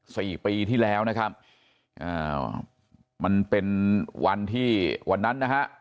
สี่ปีที่แล้วนะครับอ่ามันเป็นวันที่วันนั้นนะฮะ